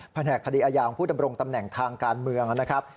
แหนกคดีอาญาของผู้ดำรงตำแหน่งทางการเมืองนะครับ